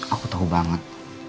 aku tahu banget